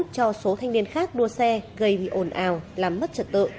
cho số thanh niên khác đua xe gây ồn ào làm mất trật tự